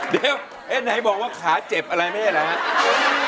เดวไอ่ไนบอกว่าขาเจ็บอะไรไม่ใช่อะไรนะ